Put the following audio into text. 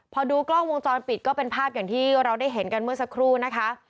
พอดูกล้องวงจรปิดก็เป็นภาพอย่างที่เราได้เห็นกันเมื่อสักครู่นะคะ